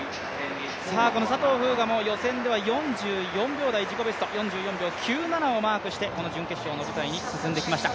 この佐藤風雅も予選では４４秒台、自己ベスト、４４秒９７をマークして準決勝の舞台に進んできました。